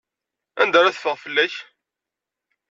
Anda ara teffeɣ fell-ak?